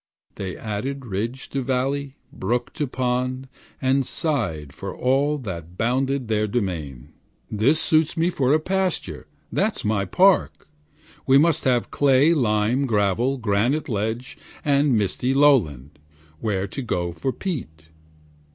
They added ridge to valley, brook to pond, And sighed for all that bounded their domain; 'This suits me for a pasture; that's my park; We must have clay, lime, gravel, granite ledge, And misty lowland, where to go for peat.